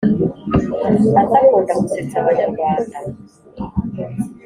arthur akunda gusetsa abanyarwanda.